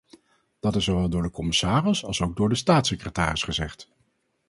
Dat is zowel door de commissaris als ook door de staatssecretaris gezegd.